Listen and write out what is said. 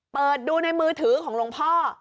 เปิดดูในมือถือของหลวงพ่อ